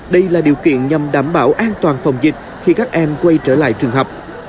đây là điều kiện nhằm đảm bảo an toàn phòng dịch khi các em quay trở lại trường học